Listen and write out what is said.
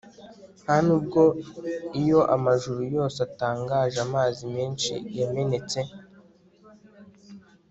ntanubwo iyo amajuru yose atangaje amazi menshi yamenetse